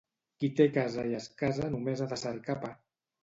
Qui té casa i es casa només ha de cercar pa.